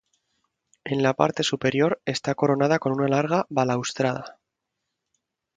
En la parte superior, está coronada con una larga balaustrada.